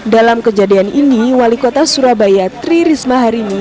dalam kejadian ini wali kota surabaya tririsma hari ini